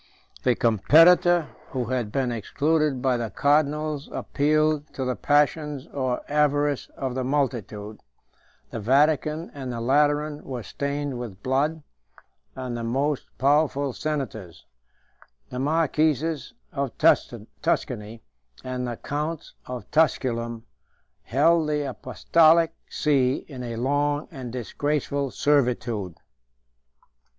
The competitor who had been excluded by the cardinals appealed to the passions or avarice of the multitude; the Vatican and the Lateran were stained with blood; and the most powerful senators, the marquises of Tuscany and the counts of Tusculum, held the apostolic see in a long and disgraceful servitude.